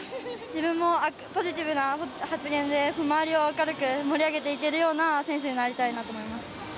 自分もポジティブな発言で周りを明るく盛り上げていけるような選手になりたいなと思います。